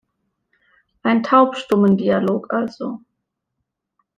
Ein Taubstummendialog also.